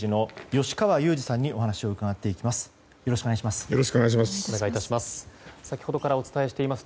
よろしくお願いします。